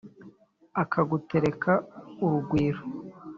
akagutereka urugwiro